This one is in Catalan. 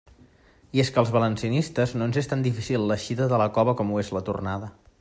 I és que als valencianistes no ens és tan difícil l'eixida de la cova com ho és la tornada.